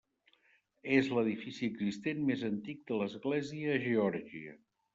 És l'edifici existent més antic de l'església a Geòrgia.